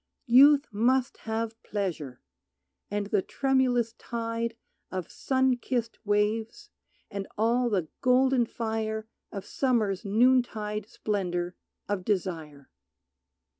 Youth must have pleasure, and the tremulous tide Of sun kissed waves, and all the golden fire Of Summer's noontide splendor of desire.